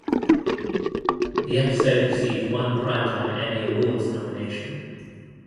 The episode received one Primetime Emmy Awards nomination.